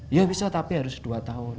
ya bisa tapi harus dua tahun